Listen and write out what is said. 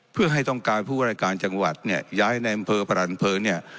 เพื่อให้ต้องการผู้วรายการจังหวัดเนี่ยย้ายที่นายอัมเพราะประอาธิบาลเนี่ย